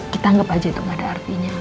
kita anggap aja itu gak ada artinya